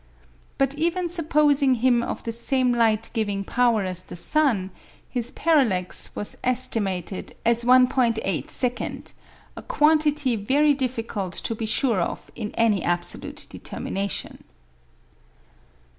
But even supposing him of the same light giving power as the sun, his parallax was estimated as 1"·8, a quantity very difficult to be sure of in any absolute determination.